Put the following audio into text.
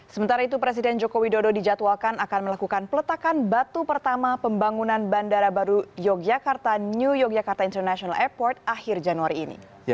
sementara itu presiden joko widodo dijadwalkan akan melakukan peletakan batu pertama pembangunan bandara baru yogyakarta new yogyakarta international airport akhir januari ini